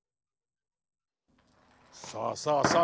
さあさあさあ